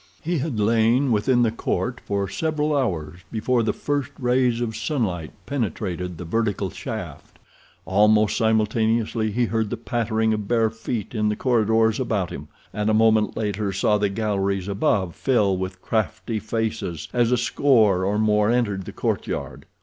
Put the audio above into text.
He had lain within the court for several hours before the first rays of sunlight penetrated the vertical shaft; almost simultaneously he heard the pattering of bare feet in the corridors about him, and a moment later saw the galleries above fill with crafty faces as a score or more entered the courtyard.